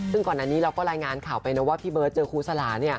ซึ่งก่อนอันนี้เราก็รายงานข่าวไปนะว่าพี่เบิร์ตเจอครูสลา